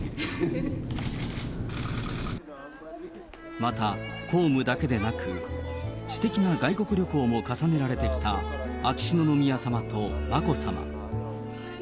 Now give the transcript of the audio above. また、公務だけでなく、私的な外国旅行も重ねられてきた秋篠宮さまと眞子さま。